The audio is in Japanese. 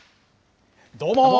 どうも。